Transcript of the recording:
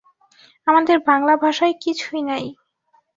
আমাদের বাঙলা ভাষায় কিছুই নাই।